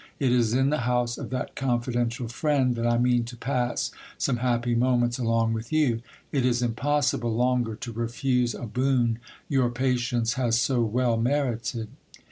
It is in the house of that confidential friend that I mean to pass some happy moments along with you. It is impossible longer to refuse a boon your patience has so well merited."